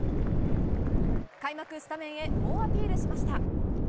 開幕スタメンへ猛アピールしました。